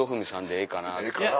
ええかなと。